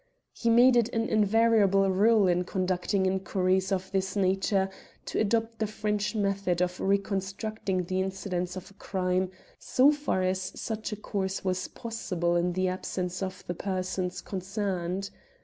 He made it an invariable rule in conducting inquiries of this nature to adopt the French method of "reconstituting" the incidents of a crime, so far as such a course was possible in the absence of the persons concerned.